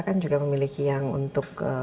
kan juga memiliki yang untuk